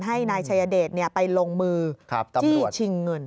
ให้นายชายเดชไปลงมือชิงเงิน